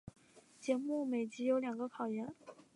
节目每集有两个考验。